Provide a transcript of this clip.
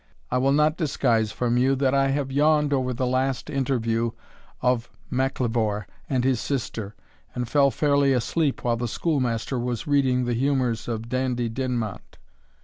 I will not disguise from you, that I have yawned over the last interview of MacIvor and his sister, and fell fairly asleep while the schoolmaster was reading the humours of Dandie Dinmont.